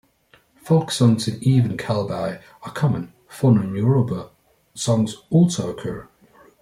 Folk songs in Ewe and Kabye, are common, Fon and Yoruba songs also occur.